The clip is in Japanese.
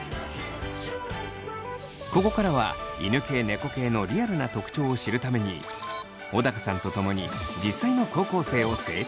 ここからは犬系・猫系のリアルな特徴を知るために小高さんと共に実際の高校生を生態チェック！